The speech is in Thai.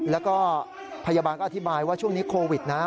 แล้วก็พยาบาลก็อธิบายว่าช่วงนี้โควิดนะ